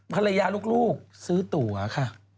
ภรรยาลูกซื้อตัวค่ะ